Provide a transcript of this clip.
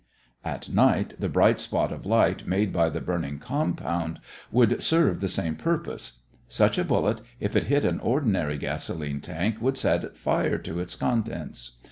At night the bright spot of light made by the burning compound would serve the same purpose. Such a bullet, if it hit an ordinary gasolene tank, would set fire to its contents.